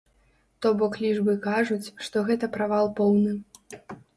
То бок лічбы кажуць, што гэта правал поўны.